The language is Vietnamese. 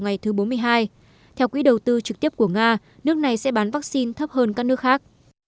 ngày thứ bốn mươi hai theo quỹ đầu tư trực tiếp của nga nước này sẽ bán vaccine thấp hơn các nước khác